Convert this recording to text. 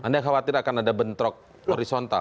anda khawatir akan ada bentrok horizontal